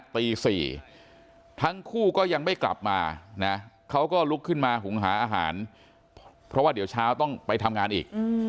ตี๔ทั้งคู่ก็ยังไม่กลับมานะเขาก็ลุกขึ้นมาหุงหาอาหารเพราะว่าเดี๋ยวเช้าต้องไปทำงานอีก